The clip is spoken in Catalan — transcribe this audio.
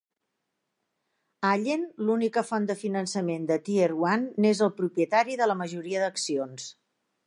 Allen, l'única font de finançament de Tier One, n'és el propietari de la majoria d'accions.